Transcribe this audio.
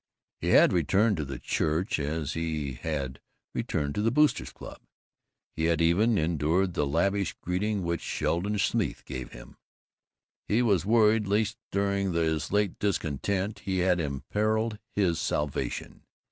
He had returned to the church as he had returned to the Boosters' Club. He had even endured the lavish greeting which Sheldon Smeeth gave him. He was worried lest during his late discontent he had imperiled his salvation.